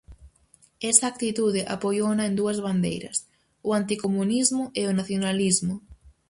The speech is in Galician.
Esa actitude apoiouna en dúas bandeiras: o anticomunismo e o nacionalismo.